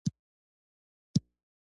پوهېدی چي نور د نوي کور مقیم سو